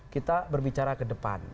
kita berbicara ke depan